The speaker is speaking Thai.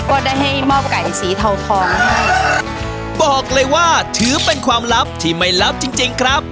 ก็ได้ให้มอบไก่สีเทาทองให้บอกเลยว่าถือเป็นความลับที่ไม่ลับจริงจริงครับ